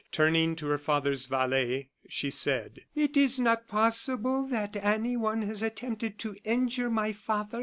Turning to her father's valet, she said: "It is not possible that anyone has attempted to injure my father?"